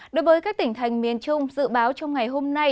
đối với các tỉnh thành miền trung dự báo trong ngày hôm nay